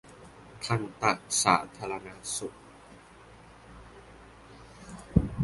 ทันตสาธารณสุข